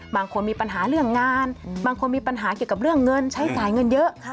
มีปัญหาเรื่องงานบางคนมีปัญหาเกี่ยวกับเรื่องเงินใช้จ่ายเงินเยอะ